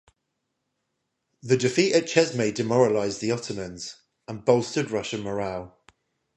The defeat at Chesme demoralized the Ottomans, and bolstered Russian morale.